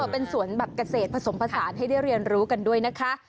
เป็นสวนแบบเกษตรผสมผสานให้ได้เรียนรู้กันด้วยนะคะ